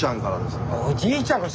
おじいちゃんから。